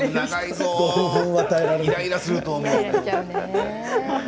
イライラすると思うよ。